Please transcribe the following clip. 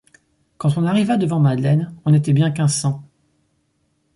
Quand on arriva devant Madeleine, on était bien quinze cents.